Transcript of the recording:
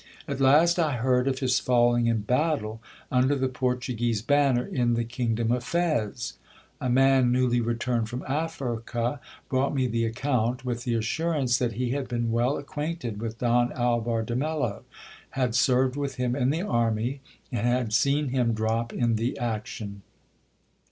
At last I heard of his falling in battle, under the Portuguese banner, in the king dom of Fez. A man newly returned from Africa brought me the account, with the assurance that he had been well acquainted with Don Alvar de Mello ; had served with him in the army, and had seen him drop in the action.